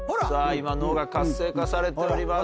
今脳が活性化されております。